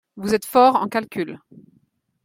Vous êtes fort en calcul